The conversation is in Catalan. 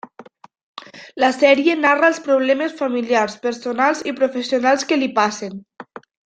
La sèrie narra els problemes familiars, personals i professionals que li passen.